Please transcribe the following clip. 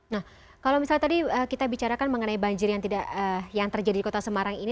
nah kalau misalnya tadi kita bicarakan mengenai banjir yang terjadi di kota semarang ini